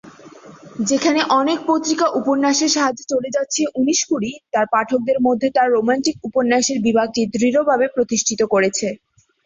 যেখানে অনেক পত্রিকা উপন্যাসের সাহায্যে চলে যাচ্ছে, "উনিশ-কুড়ি" তার পাঠকদের মধ্যে তার রোমান্টিক উপন্যাসের বিভাগটি দৃঢ়ভাবে প্রতিষ্ঠিত করেছে।